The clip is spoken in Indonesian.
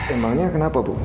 emangnya kenapa bu